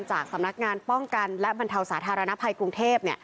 จากสำนักงานป้องกันและบรรเทาสาธารณภัยกรุงเทพ